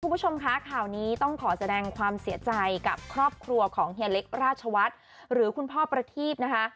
คุณผู้ชมคะข่าวนี้ต้องขอแสดงความเสียใจกับครอบครัวของเฮียเล็กราชวัฒน์หรือคุณพ่อประทีพนะคะ